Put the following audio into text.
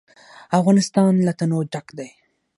افغانستان له تنوع ډک دی.